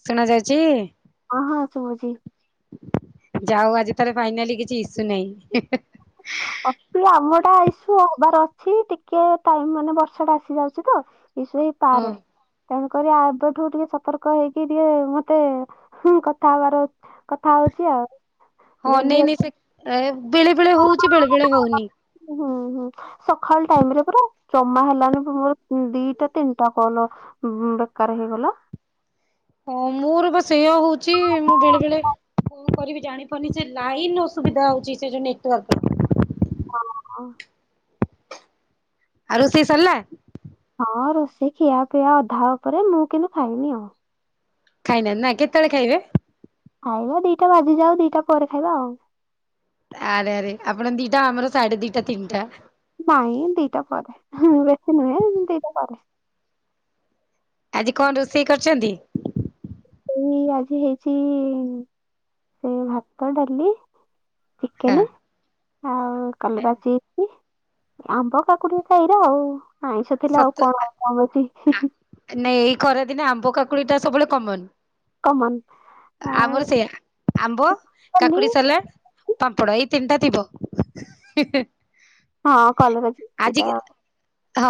ଶୁଣା ଯାଉଛି? ହଁ ହଁ ଶୁଭୁଛି। ଯାହା ହେଉ ଆଜି ତାର ଫାଇନାଲି କିଛି ଇସୁ ନାହିଁ। ଅଛି ଆମଟା ଇସୁ ହବାର ଅଛି ଟିକେ ଟାଇମ ମାନେ ବର୍ଷା ଟା ଆସି ଯାଉଛି ତ ହଁ ହେଇପାରେ। ତେଣୁକରି ଏବେଠୁ ଟିକେ ସତର୍କ ହେଇକି ଟିକେ ମତେ କଥା ହବାର ଅଛି। କଥା ହଉଛି ଆଉ। ହଁ, ନାଇଁ ଜଲଦି ନାଇଁ ସେ ବେଳେ ବେଳେ ହଉଛି ବେଳେ ବେଳେ ହଉନି। ହୁଁ ହୁଁ, ସକାଳ ଟାଇମ ରେ ପୁରା ଜମା ହେଲାନି ମୋର ଦିଟା ତିନିଟା କଲ ବେକାର ହେଇଗଲା। ହଁ ମୋର ବା ସେୟା ହଉଛି ମୁଁ ବେଳେ ବେଳେ କଣ କରିବି ଜାଣିପାରୁନି ସେ ଲାଇନ ଅସୁବିଧା ହଉଛି ସେ ଯୋଉ ନେଟୱାର୍କର। ହଁ। ଆଉ ରୋଷେଇ ସରିଲା। ହଁ, ରୋଷେଇ ଖିଆ ପିଆ ଅଧା ଉପରେ ମୁଁ କିନ୍ତୁ ଖାଇନି ଆଉ। ଖାଇନାହାନ୍ତି ନା କେତେବେଳେ ଖାଇବେ? ଖାଇବା ଦିଟା ବାଜିଯାଉ ଦିଟା ପରେ ଖାଇବା ଆଉ। ଆରେ ଆରେ ଆପଣଙ୍କ ଦିଟା ଆମର ସାଢେ ଦିଟା ତିନିଟା। ନାଇଁ ଦିଟା ପରେ, ବେଶୀ ନୁହେଁ ଦିଟା ପରେ। ଆଜି କଣ ରୋଷେଇ କରିଛନ୍ତି? ଏଇ ଆଜି ହେଇଛି ଭାତ, ଡାଲି ହଁ ଟିକେନ। ଆଉ କଲରା ଚିପ୍ସ ଆମ୍ବ, କାକୁଡି ସାଲାଡ ଆଉ। ଆଇଁଷ ଦିନ ସତ ଆଉ କଣ ନାଇଁ ଏଇ ଖରାଦିନେ ଆମ୍ବ କାକୁଡି ଟା ସବୁବେଳେ କମନ୍ କମନ ଆଉ ଆମର ସେଇଆ। ଆମ୍ବ, ଚିକେନ କାକୁଡି ସାଲାଡ। ପାମ୍ପଡ ଏଇ ତିନିଟା ଥିବ। ହଁ କଲରା ଆଜି ଚିପ୍ସଟା। ହଁ,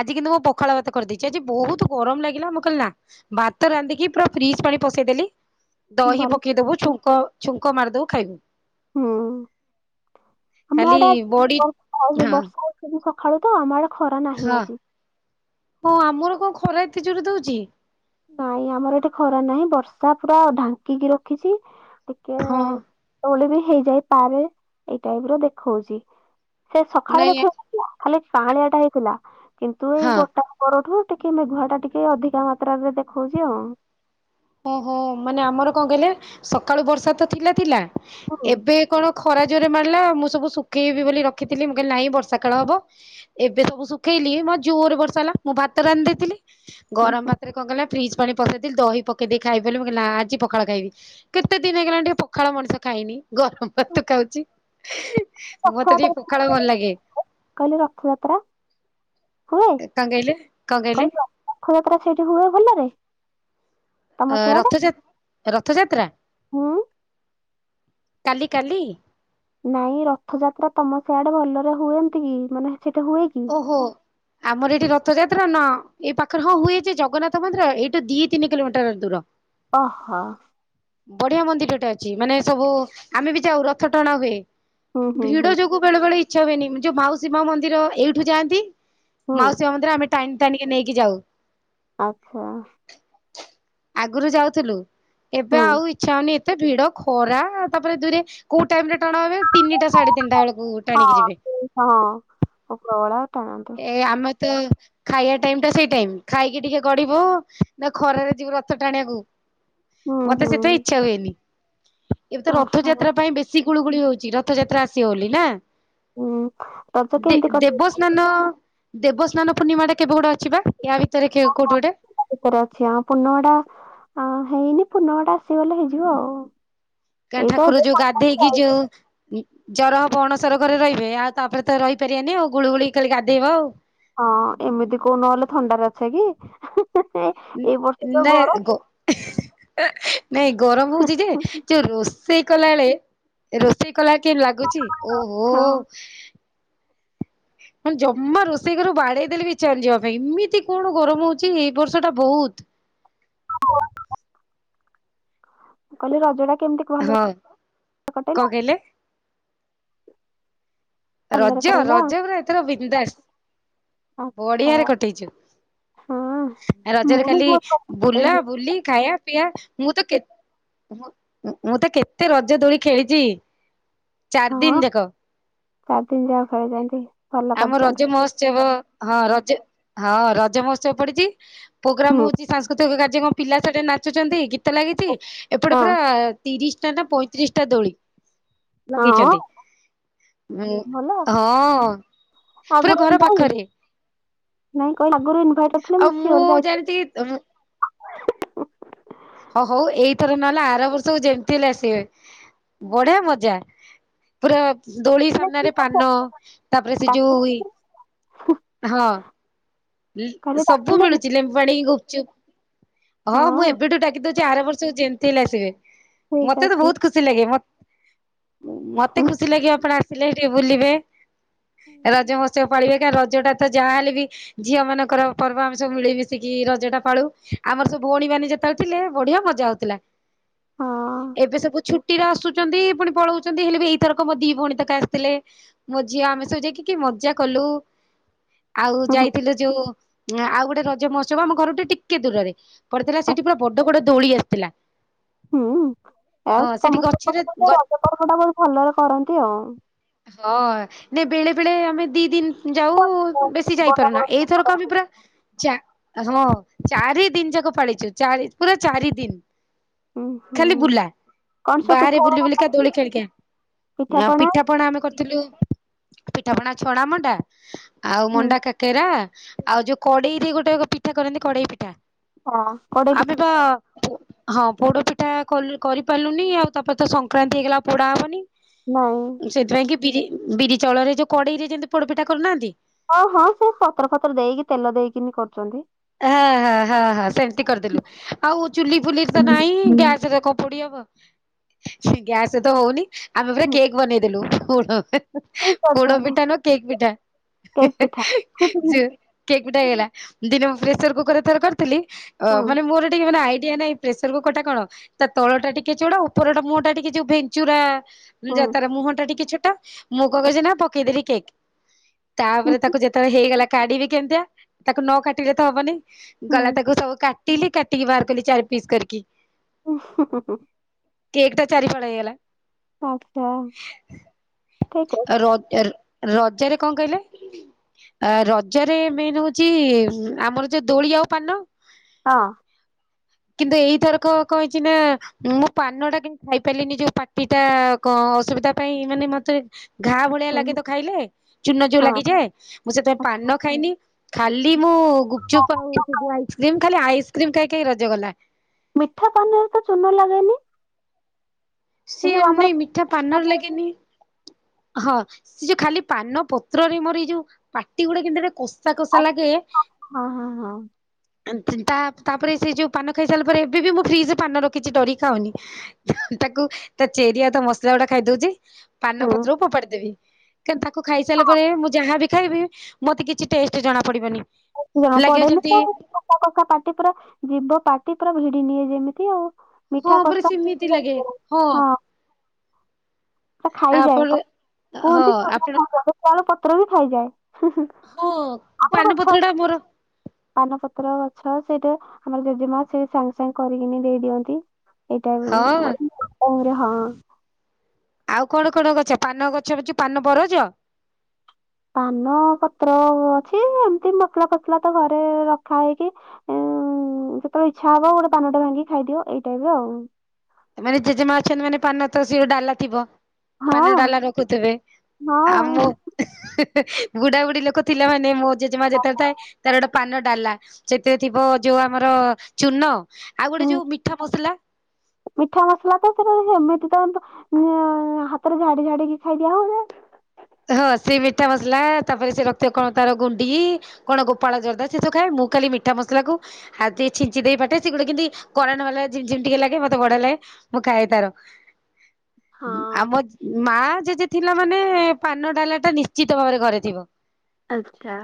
ଆଜି କିନ୍ତୁ ମୁଁ ପଖାଳ ଭାତ କରିଦେଇଛି। ମତେ ଆଜି ବହୁତ ଗରମ ଲାଗିଲା। ମୁ କହିଲି ନା ଭାତ ରାନ୍ଧିକି ପୁରା ଫ୍ରିଜ ପାଣି ପସେଇଦେଲି ଦହି ଭଲ ପକେଇ ଦବୁ, ଛୁଙ୍କ ଛୁଙ୍କ ମାରିଦବୁ ଖାଇବୁ। ହୁଁ, ଆମ ଖାଲି ଆଡେ ଆଜି ବଡି ବର୍ଷା ହଁ ବର୍ଷା ହଉଛି। ସ ସକାଳୁ ତ ଆମଆଡେ ଖରା ନାହିଁ ହଁ ଆଜି। ହଁ ଆମର କଣ ଖରା ଏତେ ଜୋରେ ଦଉଛି? ନାଇଁ ଆମର ଏଠି ଖରା ନାହିଁ, ବର୍ଷା ପୁରା ଢାଙ୍କିକି ରଖିଛି। ଟିକେ ହଁ। କେତେବେଳେ ହେଇଯାଏ ପାରେ ଏଇ ଟାଇପ ର ଦେଖଉଚି। ସେ ସକାଳେ ନାଇଁ ଦେଖ ଖାଲି ସାହାଳିଆ ଟା ହେଇଥିଲା। କିନ୍ତୁ ଏଇ ହଁ ଗୋଟାଏ ପରଠୁ ଟିକେ ମେଘୁଆ ଟା ଟିକେ ଅଧିକା ମାତ୍ର ମାତ୍ରାରେ ଦେଖାଉଛି ଆଉ। ଓହୋ, ମାନେ ଆମର କଣ କହିଲେ ସକାଳୁ ବର୍ଷା ତ ଥିଲା ଥିଲା ହୁଁ, ଏବେ କଣ ଖରା ଜୋରରେ ମାରିଲା, ମୁଁ ସବୁ ଶୁଖେଇବି ବୋଲି ରଖିଥିଲି ମୁଁ କହିଲି ନହିଁ ବର୍ଷା କାଳେ ହବ ଏବେ ସବୁ ଶୁଖେଇଲି ମା ଜୋରେ ବର୍ଷା ହେଲା। ମୁଁ ଭାତ ରାନ୍ଧି ଦେଇଥିଲି ହୁଁ, ଗରମ ହୁଁ। ଭାତରେ କଣ କଲିନା ଫ୍ରିଜ୍ ପାଣି ପକେଇଦେଲି। ଦହି ପ କେଦେଇ ଖାଇବି ବୋଲି ମୁଁ କହିଲି ନା ଆଜି ପଖାଳ ଖାଇବି କେତେ ଦିନ ହେଇଗଲାଣି ଟିକେ ପଖାଳ ମଣିଷ ଖାଇନି। ଗରମ ଭାତ ଖାଉଛି। ମତେ ପଖାଳ ଟିକେ [unintelligible] ଭଲ ଲାଗେ ରଥଯାତ୍ରା। ହୁଏ। କଣ କହିଲେ କଣ କହିଲେ କଲି ରଥଯାତ୍ରା ସେଇଠି ହୁଏ ଭଲରେ? ତମ ଅ ସିଆଡେ ରଥ -ଯ -ରଥଯାତ୍ରା। ହୁଁ କାଲି, କାଲି? ନାଇଁ, ରଥଯାତ୍ରା ତମ ସେଆଡେ ଭଲରେ ହୁଏନ୍ତିକି? ମାନେ ସଠି ହୁଏ କି? ଓହୋ। ଆମର ଏଠି ରଥଯାତ୍ରା ନାଁ ଏଇ ପାଖରେ ହଁ ହୁଏ ଯେ, ଜଗନ୍ନାଥ ମନ୍ଦିର ଏଇଠୁ ଦି ତିନି କିଲୋମିଟର ଦୂର। ଓହୋ। ବଢିଆ ମନ୍ଦିରଟେ ଅଛି। ମାନେ ସବୁ ଆମେ ବି ଯାଉ ରଥ ଟଣା ହୁଏ। ହୁଁ ହୁଁ ଭିଡ ହୁଁ ଯୋଗୁ ବେଳେ ବେଳେ ଇଚ୍ଛା ହୁଏନି। ଯୋଉ ମାଉସୀମା ମନ୍ଦିର ଏଇଠୁ ଯାଆନ୍ତି ହୁଁ ମାଉସୀ ମା ମନ୍ଦିରରେ ଆମେ ଟାଣି, ଟାଣିକେ ନେଇକି ଯାଉ। ଆଉ [unintelligible] ଆଗରୁ ଯାଉଥିଲୁ, ଏବେ ହୁଁ। ଆଉ ଇଚ୍ଛା ଇଚ୍ଛା ହଉନି। ଏତେ ଭିଡ ଖରା ତାପରେ ଦୂରେ କୋଉ ଟାଇମ ଟଣାଣବେ ତିନିଟା ସାଢେ ତିନିଟା ବେଳକୁ ଗୋଟେ ଟାଣିକି ଯିବେ, ହଁଳା ଟାଣନ୍ତି। ଏ ଆମ ତ ଖାଇବା ଟାଇମ ଟା ସେଇ ଟାଇମ, ଖାଇକି ଟିକେ ଗଢିବ ନା ଖରାରେ ଯିବ ରଥ ଟାଣିବାକୁ? ହୁଁ ମତେ ହୁଁ। ସେଥିପାଇଁ ଇଚ୍ଛା ହୁଏନି। ଏବେ ତ ଓହୋ ରଥଯାତ୍ରା ପାଇଁ ବେଶୀ ଗୁଳୁଗୁଳି ହଉଛି। ରଥଯାତ୍ରା ଆସି ହଉ ବୋଲି ନା? ହୁଁ। ରଜ ଦେ କେମିତି କଟେଇବା ଦେବସ୍ନାନ, ଦେବସ୍ନାନ ପୂର୍ଣ୍ଣିମା ଟା କେବେ ଗୋଟେ ଅଛିିବା, ୟା ଭିତରେ କୋଉଠି ଗୋଟେ? ଭିତରେ ଅଛି, ଆ ପୁର୍ଣ୍ଣମଟା ହେଇନି ପୁର୍ଣ୍ଣମିଟା ଆସିଗଲେ ହେଇଯିବ ଆଉ। ଗାଁ ଏଇତ ଠାକୁର ଏବେ ଯୋଉ ସଂକ୍ରାନ୍ତି ଗାଧେଇକି ଯାଉଛି ଯୋଉ ଜର ହବ। ଅଣସର ଘରେ ରହିବେ ଆଉ ତାପରେ ତ ରହିପାରିବାନି ଆଉ ଗୁଳୁଗୁଳିକି ଖାଲି ଗାଧେଇବ ଆଉ। ହଁ ଏମିତି କୋଉ ନହେଲେ ଥଣ୍ଡାରେ ଅଛେ କି? ଏଇ ବର୍ଷ ଯୋ ନା ଗରମ ଗୋ ନାଇଁ ଗରମ ହଉଛି ଯେ, ଯୋଉ ରୋ ରୋଷେଇ କଲା ବଳେ ରୋଷେଇ କଲା କେମତି ଲାଗୁଛି? ଓହୋ, ହଁ ହଁ ଜମା ରୋଷେଇ ଘରୁ ବାଡେଇ ଦେଲେବି ଇଚ୍ଛା ହଉନି ଯିବା ପାଇଁ। ଏମିତି କଣ ଗରମ ହଉଛି ଏଇ ବର୍ଷ ଟା ବହୁତ କହିଲି ରଜ ଟା କେମିତି ଭଲରେ ହଁ କଁ କଟେଇଲ କଇଲେ? ଭଲରେ ରଜ କଟେଇଲ ରଜ ପୁରା ଏଥର ବିନ୍ଦାସ ଆଚ୍ଛା ବଢିଆରେ କଟେଇଚୁ, ହଁ ରଜରେ ମୁଁ ବି ଖାଲି ବହୁତ ଭଲ ବୁଲା କଟେଇଛି। ବୁଲି ଖାଇଆ ପିଆ ମୁଁ ତ କେ ମୁଁ ତ କେତେ ରଜ ଦୋଳି ଖେଳିଚି ହଁ ଚାର୍ଦିନ୍ ଯାକ। ଚାରି ଦିନ ଯା କରିଚନ୍ତି ଭଲ କରିଚନ୍ତି। ମୋସ୍ଚେବ ହଁ ରଜ ହଁ ରଜ ମହୋତ୍ସବ ପଡିଚି ପୋଗ୍ରାମ ହୁଁ ହୋଉଚି ସାଂସ୍କୃତିକ କାର୍ଯ୍ୟକମ ପିଲା ସେଠି ନାଚୁଛନ୍ତି ଗୀତ ଲାଗିଛି ଏପଟେ ହଁ ପୁରା-ଆ ତିରିଶ ଟା ନା ପଇଁତିରିଶ ଟା ଦୋଳି ହଁ ଲଗେଇଛନ୍ତି। ଭଲ ହଁ ପୁରା ଆଗରୁ ଘର ଯାଇ ପାଖରେ। ନାଇଁ କହିଲି ଆଗୁରୁ ଇନଭାଇଟ କରିଥିଲେ ମୁଁ ସିଓର ଯାଇ ତି ତମ ହ ହଉ ଏଇଥର ନହେଲେ ଆର ବର୍ଷକୁ ଯେମିତି ହେଲେ ଆସିବେ, ବଢିଆ ମଜା ପୁରା ଦୋଳି ସାମ୍ନାରେ ପାନ ତାପରେ ସେ ଯୋଉ ଡାକିଲେ ହଁ ଲ୍ କାଲି ସବୁ ଡାକିଲେନି ମିଳୁଚି ଲେମ୍ବୁ ପାଣିି, ଗୁପଚୁପ୍, ହଁ ମୁଁ ଏବେଠୁ ଡାକି ଦଉ କି ଆର ବର୍ଷକୁ ଯେମିତି ହେଲେ ଆସିବେ ଠିକ ମତେ ତ ଅଛି ବୋହୁତ ଖୁସି ଲାଗେ ମତ୍ ମତେ ହୁଁ। ଖୁସି ଲାଗିବ ଆପଣ ଆସିଲେ ଟିକେ ବୁଲିବେ, ରଜ ମହୋତ୍ସବ ପାଳିବେ। କା ରଜ ଟା ତ ଯାହାହେଲେ ବି ଝିଅ ମାନଙ୍କର ପର୍ବ ଆମେ ସବୁ ମିଳିମିଶିକି ରଜ ଟା ପାଳୁ, ଆମର ସବୁ ଭୋଉଣୀ ମାନେ ଯେତଳେ ଥିଲେ ବଢିଆ ମଜା ହୋଉଥିଲା। ହଁ ଏବେ ସବୁ ଛୁ ଟିର ଆସୁଚନ୍ତି ପୁଣି ପଳୋଉଚନ୍ତି ହେଲେ ବି ଏଇଥରକ ମୋ ଦି ଭୋଉଣୀ ତାକ ଆସିଥିଲେ। ମୋ ଝିଅ ଆମେ ସବୁ ଯାଇକି କି ମଜା କଲୁ ଆଉ ହୁଁ ଯାଇ ତୋ ଆଉ ଗୋଟେ ରଜ ମହୋତ୍ସବ ଆମ ଘରଠୁ ଟିକେ ଦୂରରେ ପଡିଥିଲା ଆ ସେଠି ପୁରା ବଡ ବଡ ଦୋଳି ଆସିଥିଲା। ହୁଁ ଆଉ ହଁ ସେଠି ସେପଟେ ଗଛରେ ତ ଗ ରଜ ପର୍ବ ଟା ବୋହୁତ ଭଲରେ କରନ୍ତି ଆଉ। ହଁ ନେଇ ବେଳେ ବେଳେ ଆମେ ଦି ଦିନ ଯାଉ-ଉ ବେଶି ଯାଇପାରୁନା ଏଇ ତୋର କପିପ୍ରେ ଚା ହଁ ଚାରି ଦିନ ଯାକ ପଳିଚୁ ଚାରି ପୁରା ଚାରି ଦିନ। ଉଁ ଖାଲି ହୁଁ ବୁଲା କଣ ସବୁ ବାହାରେ ପିଠା ବୁଲି ବୁଲିକା ଦୋଳି ଖେଳିକା ଆଁ ପିଠାପଣା ପିଠା ପଣା ଆମେ କରିଥିଲୁ ପିଠାପଣା ଛଣା ମଣ୍ଡା, ଆଉ ହୁଁ ମଣ୍ଡା କାକେରା ଆଉ ଯୋଉ କଡେଇରେ ଗୋଟେ କ ପିଠା କରନ୍ତି କଡେଇ ପିଠା ହଁ କଡେଇ ଆମେ ପିଠା ବା-ଆ ହଁ ପୋଡ ପିଠା କଲ୍ କରିପାରିଲୁନି ଆଉ ତାପରେ ତ ସଂକ୍ରାନ୍ତି ହେଇଗଲା ଆ ପୋଡା ହବନି। ନାଇଁ। ସେଇଥିପାଇଁ କି ବିରି ବିରି ଚଉଳରେ ଯୋଉ କଡେଇରେ ଯେମିତି ପୋଡପିଠା କରୁନାହାନ୍ତି? ହଁ ହଁ ସେ ପତର ଫତର ଦେଇକି ତେଲ ଦେଇକିନି କରୁଚନ୍ତି। ଆ ହା ହା ହା ସେମିତି କରିଦେଲୁ। ଆଉ ଚୁଲି ଫୁଲି ତ ନାହିଁ ଗ୍ୟାସରେ କଁ ପୋଡି ହବ? ଛି ଗ୍ୟାସ ତ ହୋଉନି ଆମେ ପୁରା କେକ୍ ବନେଇଦେଲୁ, ପୋଡ ହୁଁ ପୋଡ କରୁଛନ୍ତି ପିଠା ନୁଅ କେକ ପିଠା କେକ୍ ପିଠା। ଯେ କେକ୍ ପିଠା ହେଇଗଲା ଦିନେ ମୁଁ ପ୍ରେସର କୁକରରେ ଥରେ କରିଥିଲି ଅ ହଁ ମାନେ ମୋର ଟିକେ ମାନେ ଆଇଡିଆ ନାଇଁ ପ୍ରେସର କୁକରଟା କଣ ତା ତଳ ଟା ଟିକେ ଚୋଡା ଉପରଟା ମୁଁହଟା ଟିକେ ଯୋଉ ଭେଞ୍ଚୁରା ଯା ତାର ମୁହଁ ଟା ଟିକେ ଛୋଟ ମୁଁ କଁ କଚି ନା ପକେଇଦେଲି କେକ୍ ତାପରେ ତାକୁ ଯେତେବେଳେ ହେଇଗଲା କାଢିବି କେମତିଆ ତାକୁ ନ କାଟିଲେ ତ ହବନି। ଗଲା ତାକୁ ସବୁ କାଟିଲି କାଟିକି ବାହାର କଲି ଚାରି ପିସ୍ କରିକି। ଓ ହୋ ହୋ ହୋ କେକ୍ ଟା ଚାରି ଫାଳ ହେଇଗଲା। ଆଚ୍ଛା ର [unintelligible] ରଜାରେ କଣ କହିଲେ? ଆ ରଜରେ ମେନ୍ ହଉଚ ଆମର ଯୋଉ ଦୋଳି ଆଉ ପାନ ହଁ କିନ୍ତୁ ଏଇଥରକ କହିଛି ନା ମୁଁ ପାନ ଟା କି ଖାଇ ପାରିଲିନି ଯୋଉ ପାଟି ଟା କଣ ଅସୁବିଧା ପାଇଁ ମାନେ ମତେ ଘା ଭଳିଆ ଲାଗେ ତ ଖାଇଲେ ଚୁନ ଯୋଉ ଲାଗିଯାଏ ମୁଁ ସେଥିଁ ପାନ ଖାଇନି ଖାଲି ମୁଁ ଗୁପଚୁପ ଆଉ ସେ ଯ ଆଇସକ୍ରିମ ଖାଲି ଆଇସକ୍ରିମ ଖାଇ ଖାଇ ରଜ ଗଲା। ମିଠା ପାନିରେ ତ ଚୂନ ଲାଗେନି ସେ ସିଏ ଯୋଉ ଆମର ନାଇଁ ମିଠା ପାନର ଲାଗେନି ହଁ ସେ ଯୋଉ ଖାଲି ପାନ ପତ୍ରରେ ମୋର ଏଇ ଯୋଉ ପାଟି ଗୁଡା କିନ୍ତି ଗୋଟେ କସ୍ ସା କସା ଆ- ଲାଗେ ହଁ ହଁ ହଁ ତା ତାପରେ ସେ ଯୋଉ ପାନ ଖାଇସାରିଲା ପରେ ଏବେ ବି ମୁଁ ଫ୍ରିଜରେ ପାନ ରଖିଛି ଡରିକି ଖାଉନି। ତାକୁ ତା ଚେରି ଆଉ ତା ମସଲା ଗୁଡା ଖାଇଦଉଛି ପାନ ହୁଁ ପତ୍ର ପୋପାଡିଦବି। କ ତାକୁ ଖାଇସାରିଲା ପରେ ମୁଁ ଯାହାବି ଖାଇବି ମତେ କିଛି ଟେଷ୍ଟ ଜଣା ପଡିବନି। ଜଣ ଲାଗିବ ପଡେନି ଯେମିତି ତ ପା କକା ପାଟି ପୁରା ଯିବ ପାଟି ପୁରା ଭିଡି ନିଏ ଯେମିତି ଆଉ ହଁ ମିଠା ପୁରା କଷା ସେମିତି ହଁ ଲାଗେ ହଁ ପୁରା ସେ ଖାଇଯାଏ ଆପଣ ହଁ କୁହନ୍ତି ଆପଣ [unintelligible] ଚାଳ ପତ୍ର ବି ଖାଇଯାଏ ହ ଆମର ଗଛ ଅଛି, ପାନପତ୍ର ଟା ମୋର ପାନପତ୍ର ଗଛ ସେଇଟା ଆମର ଜେଜେମା ସେ ସାଙ୍ଗେ ସାଙ୍ଗେ କରିକିନି ଦେଇ ଦିଅନ୍ତି। ଏଇଟା ହଁ ଆରେ ହଁ ଆଉ କଣ କଣ ଗଛ ପାନ ଗଛଚୁ ପାନ ବରଜ ପାନ ପତ୍ର ଅଛି ଏମତି ମସଲା ଫସଲା ତ ଘରେ ରଖା ହେଇକି [inaudible] ହଁତେବେ ଇଚ୍ଛା ହବ ଗୋଟେ ପାନ ଟା ଭାଙ୍ଗିକି ଖଦବ ଏଇ ଟାଇପ ର ଆଉ ମାନେ ଜେଜେମା ଅଛନ୍ତି ମାନେ ପାନ ତ ସ ଡାଲା ଥିବ ପନ ହଁ ଡାଲ ରଖୁଥିବେ ଆମ ହଁ। ବୁଢାବୁଢୀ ଲୋକ ଥିଲା ମାନେ ମୋ ଜେଜେମା ଯେତେବେଳେ ଥାଏ ତାର ଗୋଟେ ପାନ ଡାଲା ସେଥିରେ ଥିବ ଯୋଉ ଆମର ଚୁନ ଆଉ ଗୋଟେ ହୁଁ ଯୋଉ ମିଠା ମସଲା ମିଠା ମସଲା ତ ସେ ଏମିତି ତ ହାତରେ ଝାଡି ଝାଡିକି ଖାଇଦିଆ ହଉନା ହଁ ସେ ମିଠା ମସଲା ତାପରେ ସେ ରକ୍ତ କଣ ତାର ଗୁଣ୍ଡି କଣ ଗୋପାଳ ଜରଦା ସେ ସବ ଖାଏ ମୁଁ ଖାଲି ମିଠା ମସଲା କୁ ଆଉ ଟିକେ ଛିଞ୍ଚି ଦେଇ ପାଟେ ସେ ଗୁଟେ କି କରୋ ନ ବାଲା ଯେମିତି ଟିକେ ଲାଗେ ମତେ ବଢ ଲାଗେ ମୁଁ ଖାଇ ତାର ହଁ ଆମ ମା ଜେଜେ ଥିଲା ମାନେ ପାନ ଡାଲା ଟା ନିଶ୍ଚିତ ଭାବରେ ଘରେଥିବ। ଆଚ୍ଛା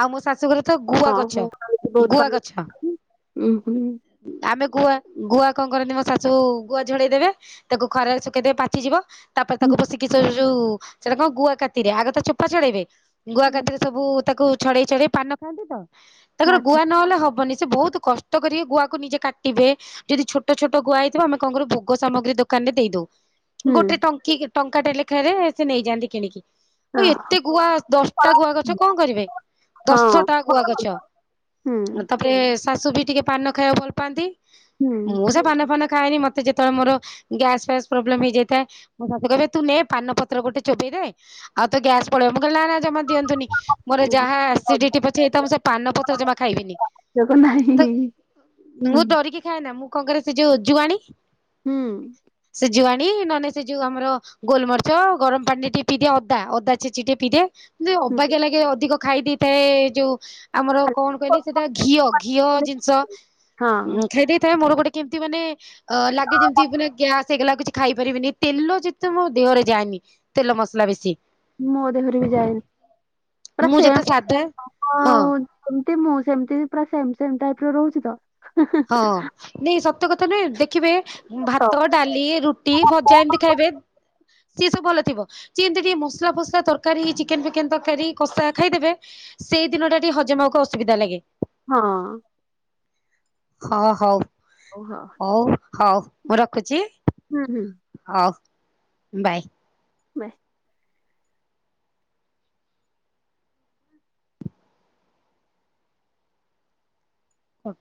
ଆଉ ମୋ ଶାଶୁଘରେ ତ ଗୁଆ ହଁ ଗଛ ଗୁଆ ଗଛ। ଉୁଁ ହୁଁ ଆମେ ଗୁଆ ଗୁଆ କଣ କରନ୍ତି ମୋ ଶାଶୁ ଗୁଆ ଝଡେଇ ଦେବେ ତାକୁ ଖରାରେ ସୁଖେଇଦେବେ ପାଚିଯିବ ତାପରେ ତାକୁ ପସିକି ଯୋଉ ସେଟା କଣ ଗୁଆ କାତିରେ ଆଗ ତା ଚୋପା ଚଢଡେଇବେ। ଗୁଆ କାତିରେ ସବୁ ତାକୁ ଛଡେଇ ଛଡେଇ ପାନ ଖାଆନ୍ତି ତ। ତାଙ୍କର ଆଚ୍ଛା ଗୁଆ ନହେଲେ ହବନି ସେ ବହୁତ କଷ୍ଟ କରିକି ଗୁଆକୁ ନିଜେ କାଟିବେ। ଯଦି ଛୋଟ ଛୋଟ ଗୁଆ ହେଇଥିବ ଆମେ କଣ କରୁ ଭୋଗ ସାମଗ୍ରୀ ଦୋକାନରେ ଦେଇଦଉ। ଗୋଟେ ଟଙ୍କି ଟଙ୍କାଟେ ଲେଖାରେ ସେ ନେଇଯାଆନ୍ତି କିଣିକି। ଆଉ ଏତେ ଗୁଆ ଦଶଟା ଗୁଆ ଗଛ କଣ କରିବେ ଓହୋ ଦଶଟା ଗୁଆ ଗଛ। ହୁଁ। ତାପରେ ଶାଶୁ ବି ଟିକେ ପାନ ଖାଇବାକୁ ଭଲ ପାଆନ୍ତି। ମୁଁ ସେ ପାନ ଫାନ ଖାଏନି ମତେ ଯେତେବେଳେ ମୋର ଗ୍ୟାସ୍ ଫ୍ୟାସ ପ୍ରୋବ୍ଲେମ ହେଇଯାଇଥାଏ ମୋ ଶାଶୁ କହିବେ ତୁ ନେ ପାନ ପତ୍ର ଗୋଟେ ଚୋବେଇ ଦେେ ଆଉ ତ ଗ୍ୟାସ୍ ପଳେଇବ ମୁଁ କହିଲି ନା ନା ଜମା ଦିଅନ୍ତୁନି। ମୋର ହୁଁ ଯାହା ଆସିଡିଟି ପଛେଇଇ ତା ମୁଁ ସେ ପାନ ପତ୍ର ଜମା ଖାଇବିନି। ଆବଶ୍ୟକ ନାହିଁ ତ ମୁଁ ହୁଁ ଡରିକି ଖାଏନା ମୁଁ କଣ କରେ ସେ ଯୋଉ ଜୁଆଣୀ ହୁଁ। ଜୁଆଣି ନହେଲେ ସେ ଯୋଉ ଆମର ଗୋଲମରିଚ ଗରମ ପାଣିରେ ପି ଦିଏ ଅଦା ଅଦା ଛିଚିକି ଟିକେ ପି ଦିଏ ଅବାଗିଆ ଲାଗେ ଅଧିକ ଖାଇ ଦେଇିଥାଏ ଯୋଉ ଆମର କଣ ହୁଁ। କହିଲେ ସେଇଟା ଘିଅ ଘିଅ ଜିନିଷ ହଁ ଉ ଖାଇ ଦେଇଥାଏ ମୋର ଗୋଟେ କେମିତି ମାନେ ଅ ଲାଗେ ଯେମିତି ମାନେ ଗ୍ୟାସ ହେଇଗଲା କିଛି ଖାଇପାରିବିନି ତେଲ ଯେତେ ମୋ ଦେହରେ ଯାଏନି ତେଲ ମସଲା ବେଶି। ମୋ ଦେହରେ ବି ଯାଏନି। ପୁରା ମୁଁ ସେ ଯେତେ ସାଧା ହଁ ସେମତି ମୁଁ ସେମତି ପୁରା ସେମ୍ ସେମ୍ ଟାଇପ ର ରହୁଛି ତ। ହଁ ନାଇଁ ସତ୍ୟ କଥା ନୁହେଁ ଦେଖିବେ ତ ଭାତ ଡାଲି ରୁଟି ଭଜା ଏମିତି ଖାଇବେ। ସିଏ ସବୁ ଭଲ ଥିବ ସେିମିତି ଟିକେ ମସଲା ଫସଲା ତରକାରୀ ଚିକେନ ଫିକେନ ତରକାରୀ କଷା ଖାଇଦେବେ ସେଇ ଦିନ ଟା ଟିକେ ହଜମ ହେବାକୁ ଅସୁବିଧା ଲାଗେ। ହଁ। ହଁ ହଉ ହଉ ହଉ ମୁଁ ରଖୁଛି। ହୁଁ ହୁଁ। ହଉ ବାଏ। ବାଏ। କଟ